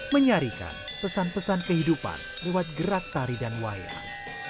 menyarikan pesan pesan kehidupan lewat gerak tari dan wayang